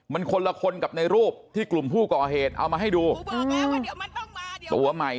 มันคนละคนกับในรูปที่กลุ่มผู้ก่อเหตุเอามาให้ดูตัวใหม่